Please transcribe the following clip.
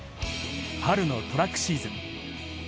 春のトラックシーズン。